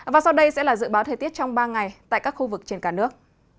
và sau đây sẽ là dự báo thời tiết trong ba ngày tại các khu vực trên cả nước